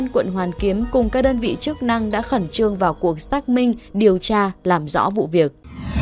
quận hoàn kiếm cùng các đơn vị chức năng đã khẩn trương vào cuộc xác minh điều tra làm rõ vụ việc